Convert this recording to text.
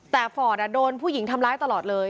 แต่ฟอร์ดโดนผู้หญิงทำร้ายตลอดเลย